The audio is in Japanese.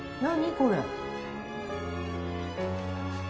これ。